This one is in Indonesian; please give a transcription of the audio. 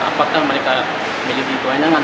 apakah mereka memiliki kewenangan